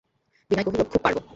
বিনয় কহিল, খুব পারব।